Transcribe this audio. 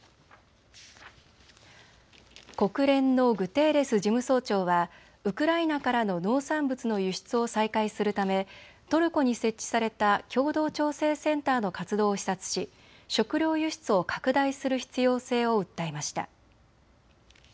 国連のグテーレス事務総長はウクライナからの農産物の輸出を再開するためトルコに設置された共同調整センターの活動を視察し食料輸出を拡大する必要性を訴えました。